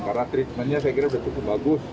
karena treatmentnya saya kira sudah cukup bagus